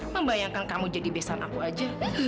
membayangkan kamu jadi besan aku aja